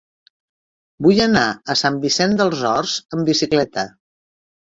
Vull anar a Sant Vicenç dels Horts amb bicicleta.